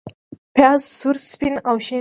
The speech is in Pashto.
پیاز سور، سپین او شین وي